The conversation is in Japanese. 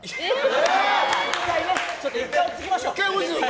１回落ち着きましょう！